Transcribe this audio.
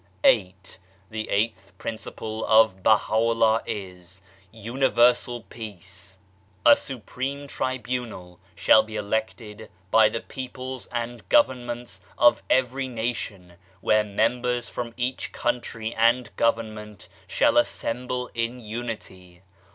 VIII. The eighth principle of Baha'u'llah is : Universal Peace. A Supreme Tribunal shall be elected by the peoples and Governments of every nation, where members from each country and government shall assemble in unity.